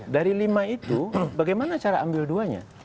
dari lima itu bagaimana cara ambil dua nya